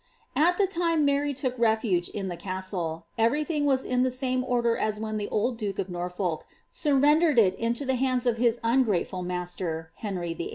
At the time Mary took refuge in the castle, every thing was in the same order as when the old duke of Norfolk sitrrendered it into the hands of his ungrateful master, Henry Vlll.